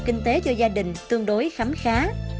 kinh tế cho gia đình tương đối khám khá